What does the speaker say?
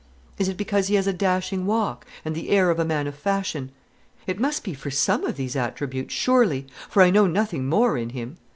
Is it because he has a dashing walk, and the air of a man of fashion? It must be for some of these attributes, surely; for I know nothing more in him.